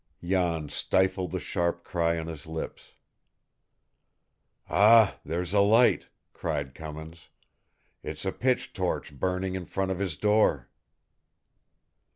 Jan stifled the sharp cry on his lips. "Ah, there's a light!" cried Cummins. "It's a pitch torch burning in front of his door!"